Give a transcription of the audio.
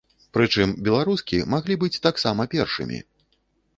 Прычым, беларускі маглі быць таксама першымі.